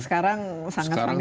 sekarang sangat familiar dengan